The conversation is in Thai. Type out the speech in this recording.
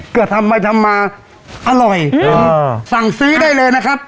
ก็ทำไปทำมาอร่อยสั่งซื้อได้เลยนะครับ